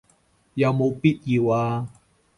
有冇必要啊